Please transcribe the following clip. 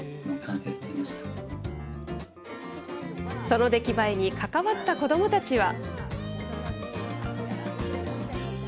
その出来栄えに、関わった子どもたちは。